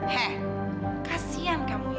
hah kasihan kamu ya